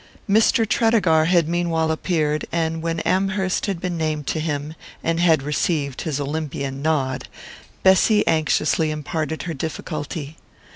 Mr. Tredegar had meanwhile appeared, and when Amherst had been named to him, and had received his Olympian nod, Bessy anxiously imparted her difficulty.